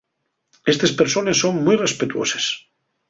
Estes persones son mui respetuoses.